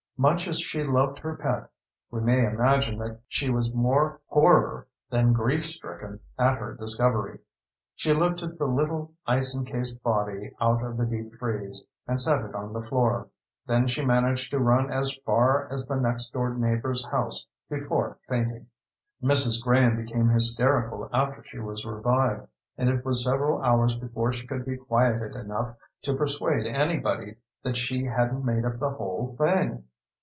Much as she loved her pet, we may imagine that she was more horror than grief stricken at her discovery. She lifted the little ice encased body out of the deep freeze and set it on the floor. Then she managed to run as far as the next door neighbor's house before fainting. Mrs. Graham became hysterical after she was revived, and it was several hours before she could be quieted enough to persuade anybody that she hadn't made up the whole thing.